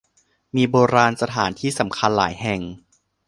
มีโบราณสถานที่สำคัญหลายแห่ง